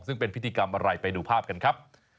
ซึ่งเป็นพิธีกรรมอะไรไปดูภาพกันครับ